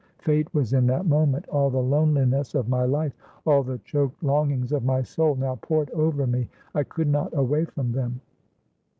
Fate was in that moment. All the loneliness of my life, all the choked longings of my soul, now poured over me. I could not away from them.